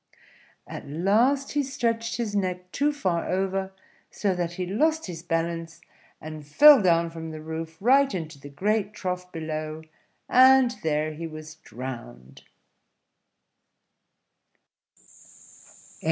At last he stretched his neck too far over, so that he lost his balance, and fell down from the roof, right into the great trough below, and there he was drowned.